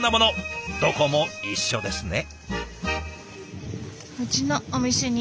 どこも一緒ですね。